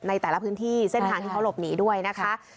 ในแต่ละพื้นที่เส้นทางที่เขาหลบหนีด้วยนะคะ